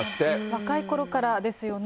若いころからですよね。